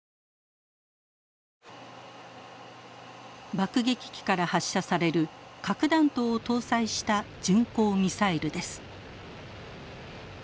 爆撃機から発射される核弾頭を搭載した巡航ミサイルです。